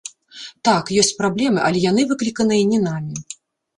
Так, ёсць праблемы, але яны выкліканыя не намі.